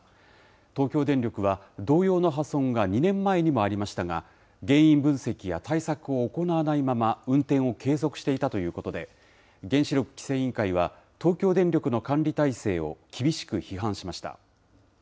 東京電力は、同様の破損が２年前にもありましたが、原因分析や対策を行わないまま運転を継続していたということで、原子力規制委員会は、東京電力の管理態勢を厳しく批判しました。